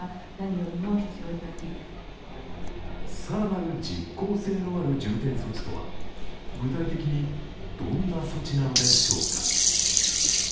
更なる実効性のある重点措置とは具体的にどんな措置なのでしょうか。